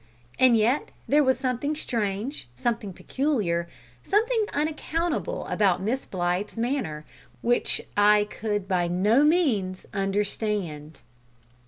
And yet there was something strange, something peculiar, something unaccountable, about Miss Blythe's manner which I could by no means understand.